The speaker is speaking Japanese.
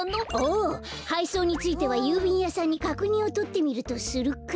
ああはいそうについてはゆうびんやさんにかくにんをとってみるとするか。